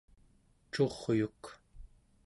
curyuk